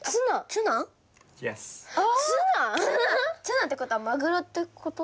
ツナってことはマグロってこと？